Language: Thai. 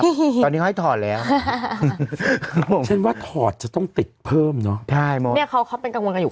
ตอนนี้เขาให้ถอดแล้วผมฉันว่าถอดจะต้องติดเพิ่มเนอะใช่มองเนี้ยเขาเขาเป็นกังวลกันอยู่